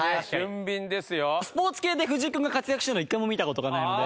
スポーツ系で藤井君が活躍してるの１回も見た事がないので。